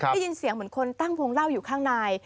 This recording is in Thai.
ได้ยินเสียงเหมือนคนตั้งวงเล่าอยู่ข้างใน